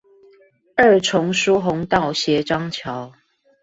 二重疏洪道斜張橋